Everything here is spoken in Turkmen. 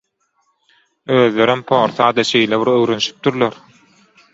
Özlerem porsa-da şeýle bir öwrenşipdirler.